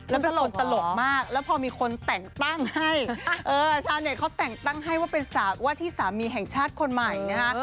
แล้วก็โดนตลกมากแล้วพอมีคนแต่งตั้งให้ชาวเน็ตเขาแต่งตั้งให้ว่าเป็นว่าที่สามีแห่งชาติคนใหม่นะฮะ